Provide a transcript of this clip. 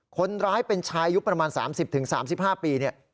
คนร้ายเป็นชายุคประมาณ๓๐๓๕ปีเนี่ย